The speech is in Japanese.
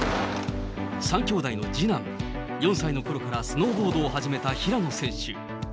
３きょうだいの次男、４歳のころからスノーボードを始めた平野選手。